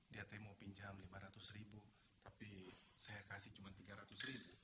dia teh mau pinjam lima ratus ribu tapi saya kasih cuma tiga ratus ribu